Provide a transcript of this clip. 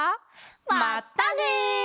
まったね！